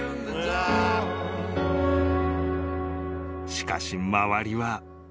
［しかし周りは］